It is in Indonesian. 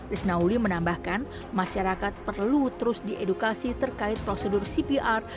risnauli menambahkan masyarakat perlu terus diedukasi terkait prosedur cpr